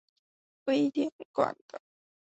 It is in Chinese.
徽典馆的。